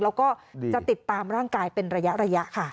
แล้วก็จะติดตามร่างกายเป็นระยะค่ะ